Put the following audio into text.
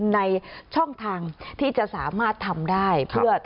ในช่องทางที่จะสามารถทำได้เพื่อ